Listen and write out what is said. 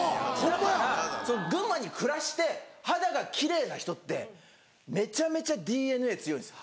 だから群馬に暮らして肌が奇麗な人ってめちゃめちゃＤＮＡ強いんです。